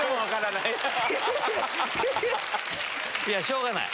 いやしょうがない。